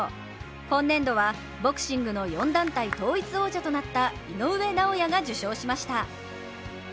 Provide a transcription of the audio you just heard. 今年度はボクシングの４団体統一王者となった井上尚弥が受賞しました。